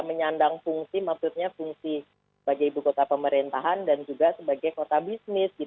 menyandang fungsi maksudnya fungsi sebagai ibu kota pemerintahan dan juga sebagai kota bisnis